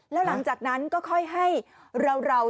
แล้วหลังจากนั้นก็ค่อยให้เรา